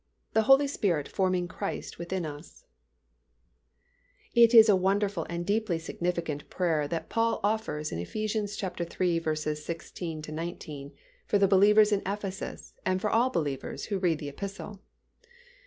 THE HOLY SPIRIT FORMING CHRIST WITHIN US. It is a wonderful and deeply significant prayer that Paul offers in Eph. iii. 16 19 for the believers in Ephesus and for all believers who read the Epistle.